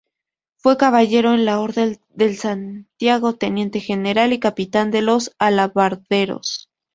Fue Caballero de la Orden de Santiago, Teniente General y Capitán de los Alabarderos.